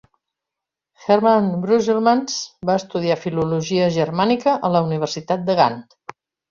Herman Brusselmans va estudiar Filologia Germànica a la Universitat de Gant.